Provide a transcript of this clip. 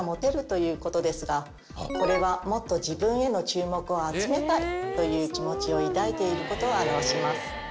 これはもっと自分への注目を集めたいという気持ちを抱いている事を表します。